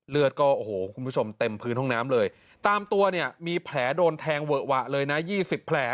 เลือดก็โอ้โหคุณผู้ชมเต็มพื้นห้องน้ำเลยตามตัวเนี่ยมีแผลโดนแทงเวอะหวะเลยนะ๒๐แผล